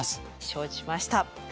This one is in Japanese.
承知しました。